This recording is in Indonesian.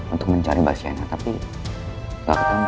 untuk mencari mbak sienna tapi gak ketemu